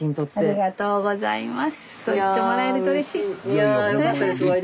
ありがとうございます。